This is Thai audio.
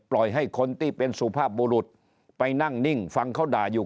ให้คนที่เป็นสุภาพบุรุษไปนั่งนิ่งฟังเขาด่าอยู่